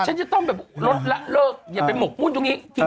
จริงฉันจะต้องแบบลดละเลิกอย่าไปหมกมุดอยู่นี้